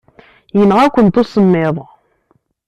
Yenɣa-kent usemmiḍ.